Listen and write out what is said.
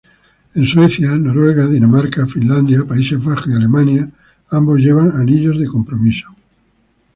En Suecia, Noruega, Dinamarca, Finlandia, Países Bajos, y Alemania, ambos llevan anillos de compromiso.